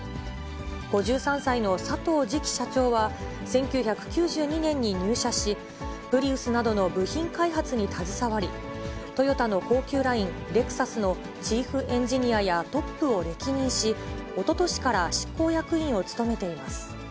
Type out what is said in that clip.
５３歳の佐藤次期社長は、１９９２年に入社し、プリウスなどの部品開発に携わり、トヨタの高級ライン、レクサスのチーフエンジニアやトップを歴任し、おととしから執行役員を務めています。